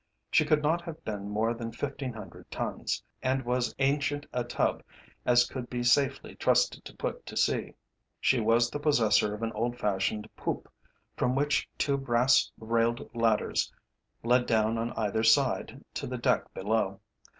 She could not have been more than fifteen hundred tons, and was as ancient a tub as could be safely trusted to put to sea. She was the possessor of an old fashioned poop, from which two brass railed ladders led down on either side to the deck below.